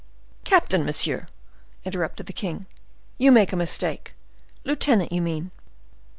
"Captain, monsieur!" interrupted the king; "you make a mistake. Lieutenant, you mean."